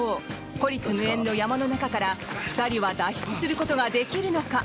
孤立無援の山の中から、２人は脱出することができるのか。